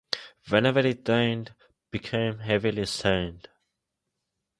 Whenever it rained, became heavily stained.